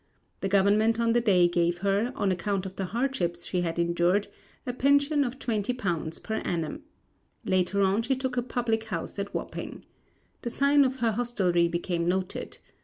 The government of the day gave her, on account of the hardships she had endured, a pension of £20 per annum. Later on she took a public house at Wapping. The sign of her hostelry became noted.